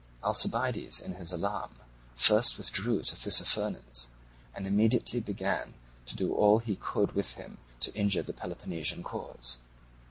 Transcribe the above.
Alcibiades in his alarm first withdrew to Tissaphernes, and immediately began to do all he could with him to injure the Peloponnesian cause.